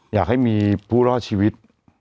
อยากให้มีผู้รอดชีวิต